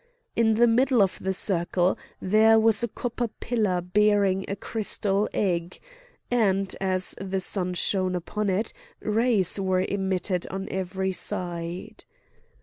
In the middle of the circle there was a copper pillar bearing a crystal egg; and, as the sun shone upon it, rays were emitted on every side.